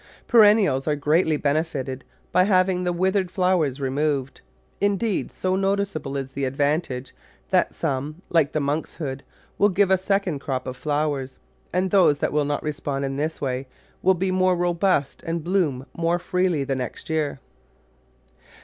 Perennials are greatly benefited by having the withered flowers removed; indeed so noticeable is the advantage that some, like the Monkshood, will give a second crop of flowers, and those that will not re spond in this way will be' more robust and bloom more freely the next year.